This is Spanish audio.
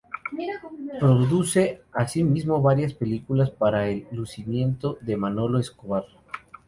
Produce asimismo varias películas para el lucimiento de Manolo Escobar.